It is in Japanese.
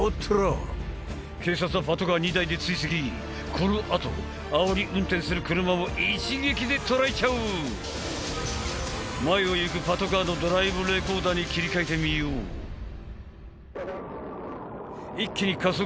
このあとあおり運転する車を一撃で捕らえちゃう前を行くパトカーのドライブレコーダーに切り替えてみよう一気に加速